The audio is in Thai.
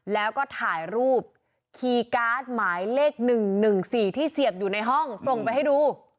แล้วก็ถ่ายรูปคีย์การ์ดหมายเลข๑๑๔ที่เสียบอยู่ในห้องส่งไปให้ดู